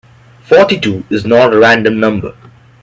Forty-two is not a random number.